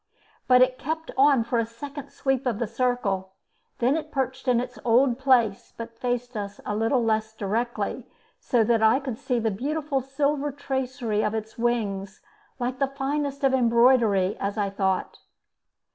but it kept on for a second sweep of the circle. Then it perched in its old place, but faced us a little less directly, so that I could see the beautiful silver tracery of its wings, like the finest of embroidery, as I thought.